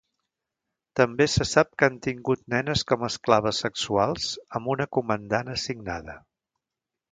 També se sap que han tingut nenes com a esclaves sexuals amb una comandant assignada.